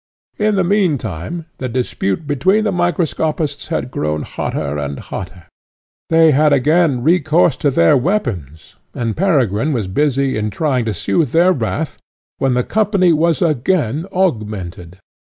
In the meantime the dispute between the microscopists had grown hotter and hotter; they had again recourse to their weapons, and Peregrine was busy in trying to sooth their wrath, when the company was again augmented.